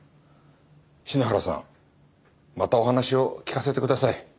品原さんまたお話を聞かせてください。